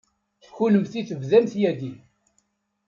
Kennemti tebdamt yagi.